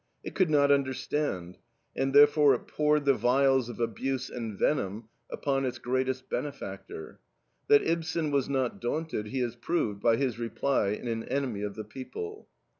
It could not understand, and therefore it poured the vials of abuse and venom upon its greatest benefactor. That Ibsen was not daunted he has proved by his reply in AN ENEMY OF THE PEOPLE.